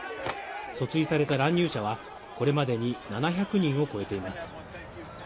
訴追された乱入者はこれまでに７００人を超えています